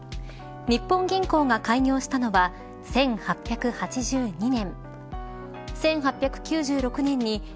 日本銀行が開業したのは１８８２年。